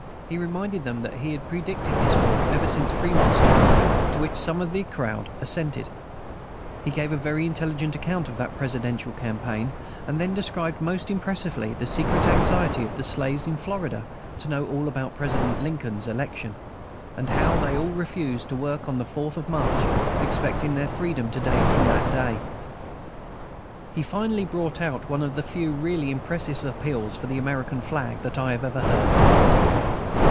He reminded them that he had predicted this war ever since Fremont's time, to which some of the crowd assented; he gave a very intelligent account of that Presidential campaign, and then described most impressively the secret anxiety of the slaves in Florida to know all about President Lincoln's election, and told how they all refused to work on the fourth of March, expecting their freedom to date from that day. He finally brought out one of the few really impressive appeals for the American flag that I have ever heard.